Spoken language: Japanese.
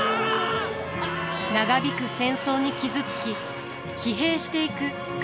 長引く戦争に傷つき疲弊していく家臣たち。